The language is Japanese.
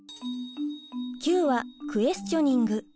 「Ｑ」はクエスチョニング。